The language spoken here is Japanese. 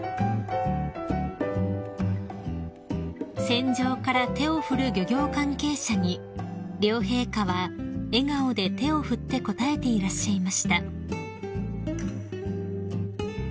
［船上から手を振る漁業関係者に両陛下は笑顔で手を振って応えていらっしゃいました］